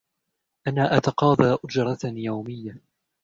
أنا أتقاضى أجرة يومية.